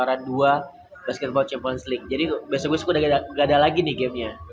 luaran dua basketball champions league jadi besok besok udah gak ada lagi nih gamenya